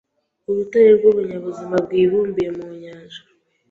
Urutare rwibinyabuzima rwibumbiye mu Nyanja